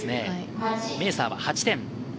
メーサーは８点。